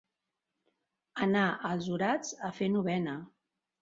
Anar als orats a fer novena.